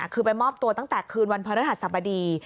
คือไปมอบตัวตั้งแต่คืนวันพระฤหัสสบดี